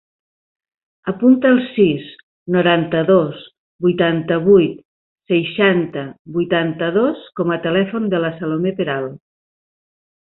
Apunta el sis, noranta-dos, vuitanta-vuit, seixanta, vuitanta-dos com a telèfon de la Salomé Peral.